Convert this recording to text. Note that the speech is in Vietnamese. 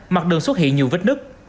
mặt đường xuất hiện nhiều vết nứt